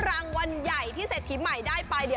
รางวัลใหญ่ที่เสร็จถิมใหม่ได้ไป